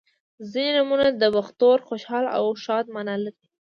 • ځینې نومونه د بختور، خوشحال او ښاد معنا لري.